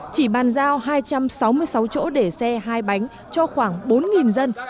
chỉ bàn giao hai trăm sáu mươi sáu chỗ để xe hai bánh cho khoảng bốn dân